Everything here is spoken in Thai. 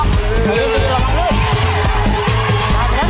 ออกแล้ว๑ดอกแล้วค่ะ